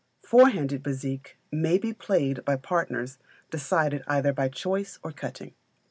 Four handed Bezique may be played by partners decided either by choice or cutting.